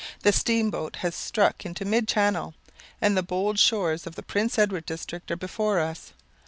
The steamboat has struck into mid channel, and the bold shores of the Prince Edward District are before us.